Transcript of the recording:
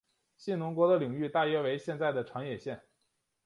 信浓国的领域大约为现在的长野县。